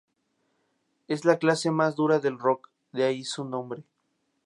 Es la clase más dura del rock, de ahí su nombre.